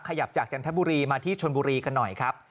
ขยับจากจันทบุรีมาที่ชนบุรีกันหน่อยครับ